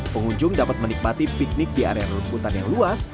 pengunjung dapat menikmati piknik di area rumputan yang luas